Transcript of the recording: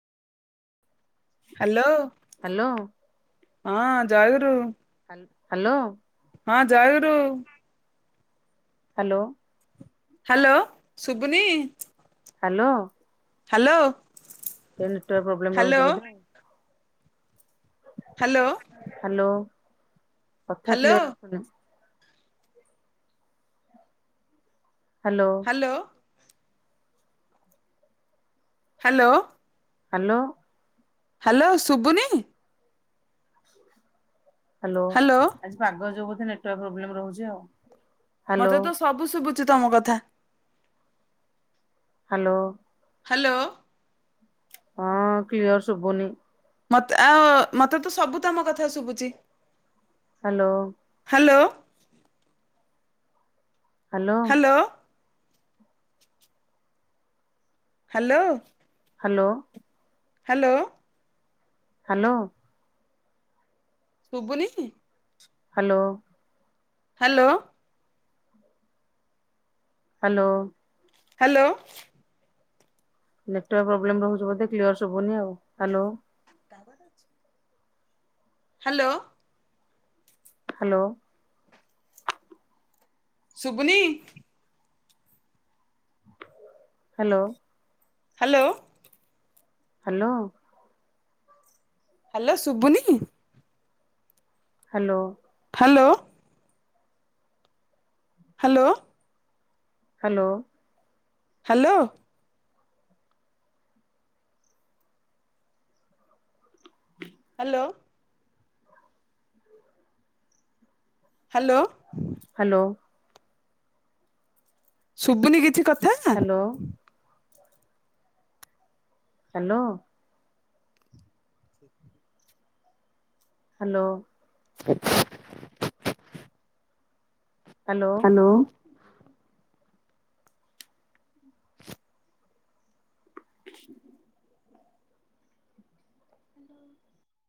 Hello, hello ହଁ ଜୟଗୁରୁ। ହାଲ୍, ହାଲୋ। ହଁ ଜୟଗୁରୁ। ହ୍ୟାଲୋ। ହ୍ୟାଲୋ ଶୁବୁନି। ହ୍ୟାଲୋ। ହ୍ୟାଲୋ। ତୋର ନେଟୱାର୍ ପ୍ରୋବ୍ଲେମ ହ୍ୟାଲୋ ରହୁଛି ବଧେ। ହ୍ୟାଲୋ। ହ୍ୟାଲୋ କଥା ହ୍ୟାଲୋ କ୍ଲିୟର ଆସୁନି। Hello. Hello. Hello. Hello. Hello ଶୁବୁନି। ହ୍ୟାଲୋ ଆଜି ପାଗ ଯୋଗୁ ବୋଧେ ନେଟୱର୍କ ପ୍ରୋବେଲେମ୍ ରହୁଛି ଆଉ। ହ୍ୟାଲୋ ମତେ ତ ସବୁ ଶୁଭୁଛୁ ତମ କଥା। ହ୍ୟାଲୋ। ହ୍ୟାଲୋ। ହଁ କ୍ଲିୟର ଶୁବୁନି। ମତେ ଆଉ ମତେ ତ ସବୁ ତମ କଥା ଶୁଭୁଚି। ହ୍ୟାଲୋ। ହ୍ୟାଲୋ। ହ୍ୟାଲୋ। ତ? ହ୍ୟାଲୋ। ହ୍ୟାଲୋ। ହ୍ୟାଲୋ। ହ୍ୟାଲୋ। ଶୁବୁନିକି? Hello. Hello. Hello. Hello. Network problem ରହୁଛି ବୋଧେ କ୍ଲିଅର ଶୁବୁନି ଆଉ ହ୍ୟାଲୋ। ତାବାର ଅଛି। ହ୍ୟାଲୋ। ହ୍ୟାଲୋ। ଶୁବୁନି? ହ୍ୟାଲୋ। ହ୍ୟାଲୋ। ହ୍ୟାଲୋ। ହ୍ୟାଲୋ ଶୁବୁନି? Hello. Hello. Hello. Hello. Hello. Hello. Hello. Hello. ଶୁଭୁନି କିଛି କଥା ହ୍ୟାଲୋ ହ୍ୟାଲୋ। ହ୍ୟାଲୋ। [inaudible] ହ୍ୟାଲୋ। [inaudible] [inaudible]